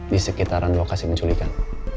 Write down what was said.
di sekitaran lokasi menculikan